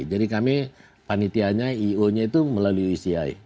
jadi kami panitianya ionya itu melalui uci